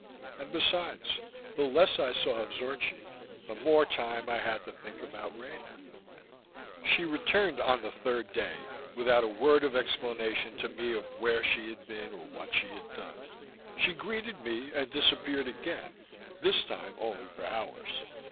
And besides, the less I saw of Zorchi, the more time I had to think about Rena. She returned on the third day, without a word of explanation to me of where she had been or what she had done. She greeted me and disappeared again, this time only for hours.